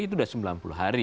itu sudah sembilan puluh hari